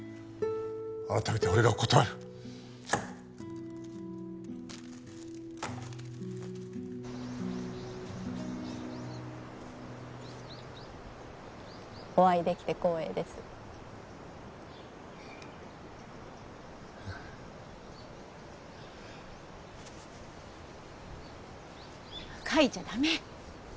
改めて俺が断るお会いできて光栄ですかいちゃダメ